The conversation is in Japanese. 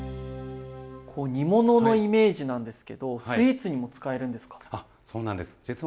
煮物のイメージなんですけどスイーツにも使えるんですか？